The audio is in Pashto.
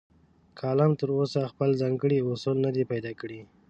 کالم تراوسه خپل ځانګړي اصول نه دي پیدا کړي.